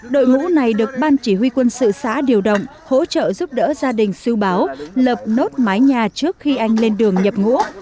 đội ngũ này được ban chỉ huy quân sự xã điều động hỗ trợ giúp đỡ gia đình siêu báo lập nốt mái nhà trước khi anh lên đường nhập ngũ